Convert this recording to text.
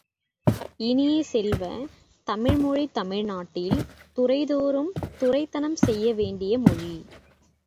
இனிய செல்வ, தமிழ் மொழி தமிழ் நாட்டில் துறை தோறும் துரைத்தனம் செய்ய வேண்டிய மொழி!